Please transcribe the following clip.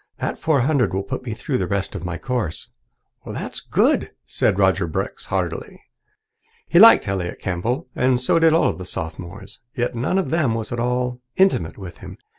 That four hundred will put me through the rest of my course." "That's good," said Roger Brooks heartily. He liked Elliott Campbell, and so did all the Sophomores. Yet none of them was at all intimate with him.